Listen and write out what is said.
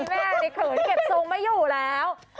แม่นี่เขินเก็บทรงไม่อยู่แล้ว